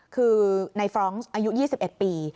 คือในฟรองก์อายุ๒๑ปี